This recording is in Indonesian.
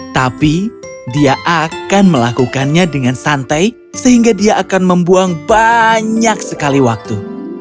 tapi dia akan melakukannya dengan santai sehingga dia akan membuang banyak sekali waktu